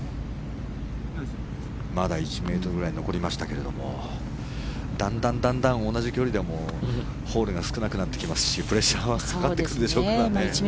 まだ１ｍぐらい残りましたけれどもだんだん同じ距離でもホールが少なくなってきますしプレッシャーはかかってくるでしょうからね。